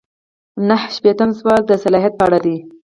نهه شپیتم سوال د صلاحیت په اړه دی.